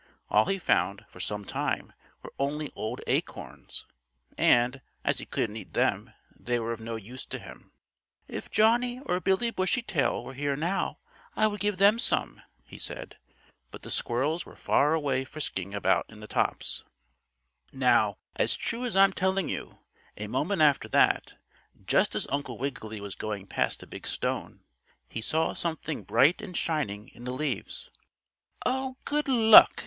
All he found for some time were only old acorns, and, as he couldn't eat them, they were of no use to him. "If Johnnie or Billie Bushytail were here now I would give them some," he said. But the squirrels were far away frisking about in the tops. Now, as true as I'm telling you, a moment after that, just as Uncle Wiggily was going past a big stone, he saw something bright and shining in the leaves. "Oh, good luck!"